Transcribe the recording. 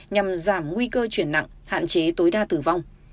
nhằm giảm nguy cơ chuyển nặng hạn chế tối đa tử vong